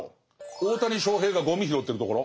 大谷翔平がゴミ拾ってるところ？